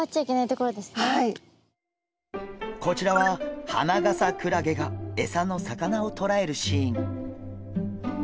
こちらはハナガサクラゲがエサの魚をとらえるシーン。